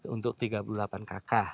untuk tiga puluh delapan kakak